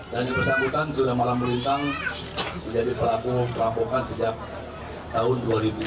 dan yang bersangkutan sudah malam berintang menjadi pelaku perampokan sejak tahun dua ribu satu